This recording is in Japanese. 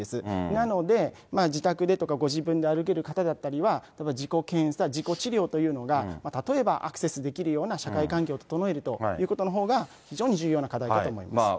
なので、自宅でとか、ご自分で歩ける方々には自己検査、自己治療というのが、例えばアクセスできるような社会環境を整えるということのほうが非常に重要な課題だと思います。